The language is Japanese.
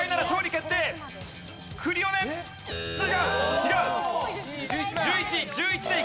違う。